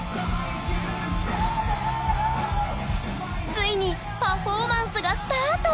ついにパフォーマンスがスタート！